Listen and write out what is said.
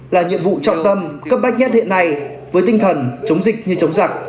là nhiệm vụ trọng tâm cấp bách nhất hiện nay với tinh thần chống dịch như chống giặc